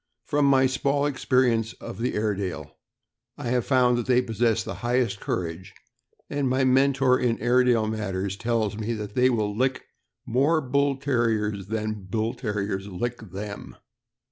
From my small experience of the Airedale, I have found that they possess the highest courage; and my mentor in Airedale matters tells me "they will lick more Bull Ter riers than Bull Terriers lick them."